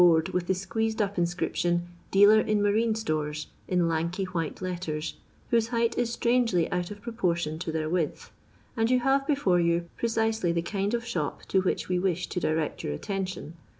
25 b<Murd with the iqaeeied iip inseription ' Dealer in marioe itoret,* in lankj white letters, whose height if strangely out of proportion to their width; and you have before yoa precisely the kind of shop to which we wish to direct your attention.